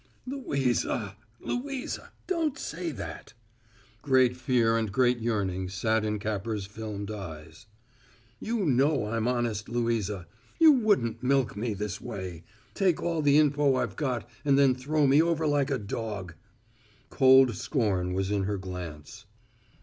"Louisa! Louisa! Don't say that!" Great fear and great yearning sat in Capper's filmed eyes. "You know I'm honest, Louisa! You wouldn't milk me this way take all the info I've got and then throw me over like a dog!" Cold scorn was in her glance.